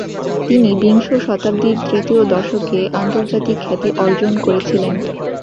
তিনি বিংশ শতাব্দীর তৃতীয় দশকে আন্তর্জাতিক খ্যাতি অর্জ্জন করেছিলেন।